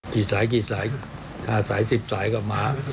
กี่สายกี่สาย๕สาย๑๐สายก็มา